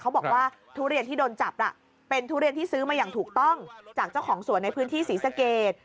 เขาบอกว่าทุเรียนที่โดนจับเป็นทุเรียนที่ซื้อมาอย่างถูกต้องจากเจ้าของสวนในพื้นที่ศรีสเกต